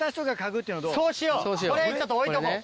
そうしようこれちょっと置いとこう。